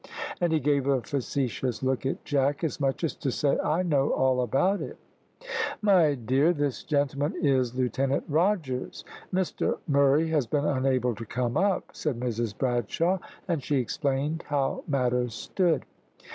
and he gave a facetious look at Jack, as much as to say. "I know all about it." "My dear, this gentleman is Lieutenant Rogers. Mr Murray has been unable to come up," said Mrs Bradshaw; and she explained how matters stood.